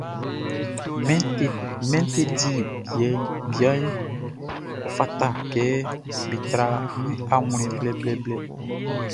Min teddy bearʼn, ɔ fata kɛ be tra min awlɛn blɛblɛblɛ.